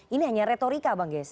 ini hanya retorika bang geis